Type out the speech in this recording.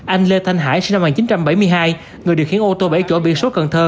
anh lê thanh hải sinh năm một nghìn chín trăm bảy mươi hai người điều khiển ô tô bảy chỗ biển số cần thơ